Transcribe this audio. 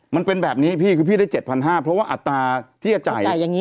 มันเป็นแบบนี้พี่คือพี่ได้๗๕๐๐เพราะว่าอัตราที่จะจ่าย